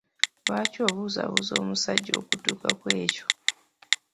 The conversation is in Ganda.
Lwaki obuzaabuza omusajja okutuuka kw'ekyo?